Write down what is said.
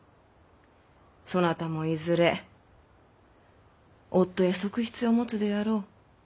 そなたもいずれ夫や側室を持つであろう？